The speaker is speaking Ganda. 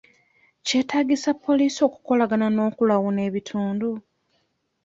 Kyetaagisa poliisi okukolagana n'okulawuna ebitundu?